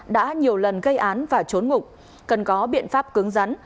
đã nhiều lần gây án và trốn ngục cần có biện pháp cứng rắn